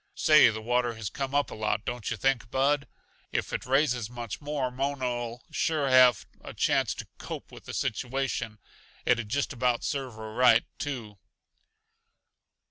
Say, the water has come up a lot, don't yuh think, Bud? If it raises much more Mona'll sure have a chance to 'cope with the situation. It'd just about serve her right, too."